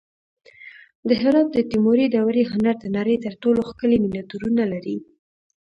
د هرات د تیموري دورې هنر د نړۍ تر ټولو ښکلي مینیاتورونه لري